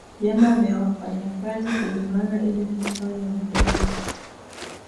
vyama vya wafanyakazi kuungana ili kufanya mgomo